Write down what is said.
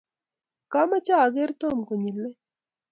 kamoche ager Tom konyilei.